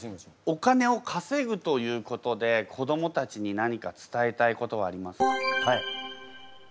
お金をかせぐということで子どもたちに何か伝えたいことはありますか？